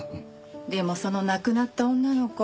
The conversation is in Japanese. でもその亡くなった女の子